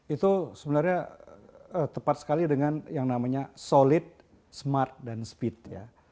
itu sebenarnya tepat sekali dengan yang namanya solid smart dan speed ya